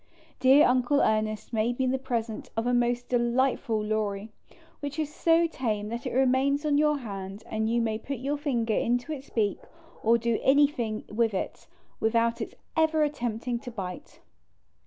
Dear Uncle Ernest made me the present of a most delightful Lory\ which is so tame that it remains on your hand, and you may put your finger into its beak, or do anything with it, without its ever attempting to bite.